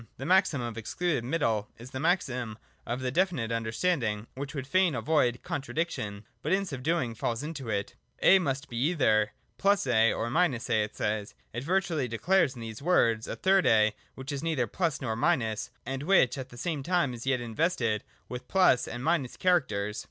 — The Maxim of Excluded Middle is the maxim of the definite understanding, which would fain avoid contra diction, but in so doing falls into it. A must be either ) A or — A, it says. It virtually declares in these words a third A which is neither f nor —, and which at the same time is yet invested with j and — characters.